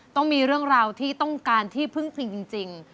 ต้องมีเรื่องราวที่ต้องการที่พึ่งพลิงจริง